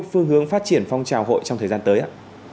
phương hướng phát triển phong trào hội trong thời gian tới